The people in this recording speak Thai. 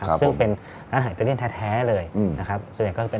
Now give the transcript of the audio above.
ครับตั้งแต่หลัง๑๑โมงมันต้นไปเริ่มบริการอาหารกลางวันจนถึงลึกเลย